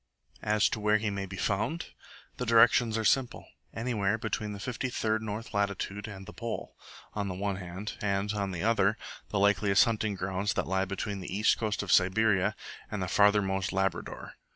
As to where he may be found? The directions are simple: anywhere between 53 north latitude and the Pole, on the one hand; and, on the other, the likeliest hunting grounds that lie between the east coast of Siberia and farthermost Labrador.